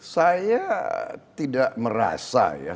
saya tidak merasa ya